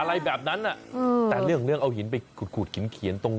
อะไรแบบนั้นแต่เรื่องเอาหินไปกรุดขีดเขียน